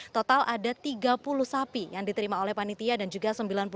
total ada tiga puluh sapi yang diterima oleh panitia dan juga sembilan puluh delapan